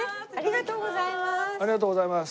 ありがとうございます。